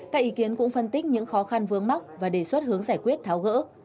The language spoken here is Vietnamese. các ý kiến cũng phân tích những khó khăn vướng mắc và đề xuất hướng giải quyết tháo gỡ